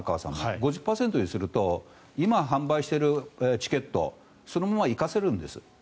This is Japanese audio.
５０％にすると今、販売しているチケットそのまま生かせるんです。